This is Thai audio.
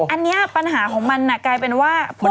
อันเนี้ยปัญหามันก็กลายเป็นว่า